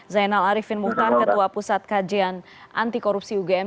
zainal ariefin mukhtar ketua pusat kajian anti korupsi ugm